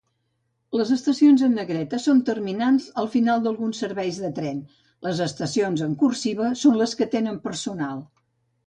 Les estacions en negreta són terminals, el final d'alguns serveis de tren; les estacions en "cursiva" són les que tenen personal.